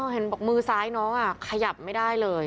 เห็นบอกมือซ้ายน้องขยับไม่ได้เลย